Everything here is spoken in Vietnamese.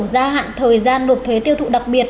gia hạn thời gian nộp thuế tiêu thụ đặc biệt